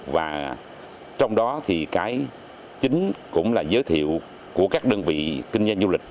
và trong đó thì cái chính cũng là giới thiệu của các đơn vị kinh doanh du lịch